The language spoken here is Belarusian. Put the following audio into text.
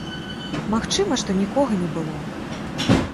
Магчыма, што нікога не было.